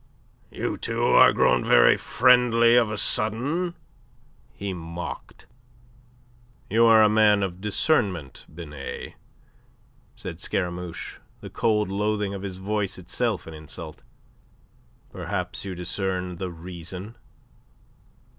"You two are grown very friendly of a sudden," he mocked. "You are a man of discernment, Binet," said Scaramouche, the cold loathing of his voice itself an insult. "Perhaps you discern the reason?"